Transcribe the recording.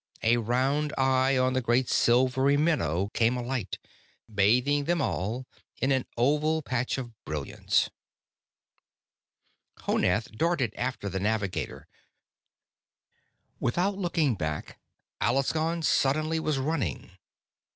A round eye on the great silver minnow came alight, bathing them all in an oval patch of brilliance. Honath darted after the navigator. Without looking back, Alaskon suddenly was running.